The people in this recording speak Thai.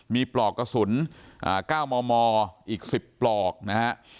มีปลอกกระสุน๙มมอีก๑๐ปลอกนะฮะ